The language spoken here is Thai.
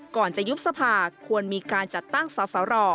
ก่อนจะยุบสภาควรมีการจัดตั้งสอสร